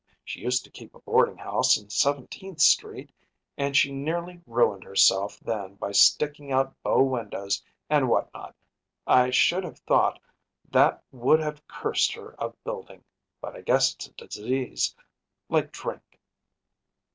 She used to keep a boarding house in Seventeenth Street, and she nearly ruined herself then by sticking out bow windows and what not; I should have thought that would have cured her of building, but I guess it’s a disease, like drink.